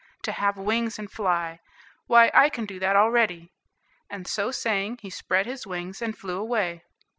To have wings and fly! why, I can do that already;" and so saying, he spread his wings and flew away.